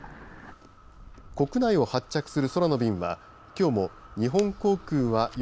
国内を発着する空の便はきょうも日本航空は４３